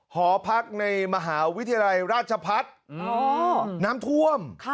หอพักในมหาวิทยาลัยราชพัฒน์น้ำท่วม